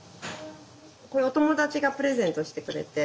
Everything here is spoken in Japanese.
これはお友達がプレゼントしてくれて。